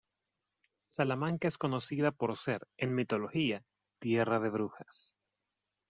Salamanca es conocida por ser -en mitología- "tierra de brujas".